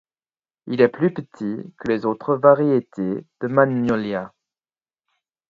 Il est plus petit que les autres variétés de magnolias.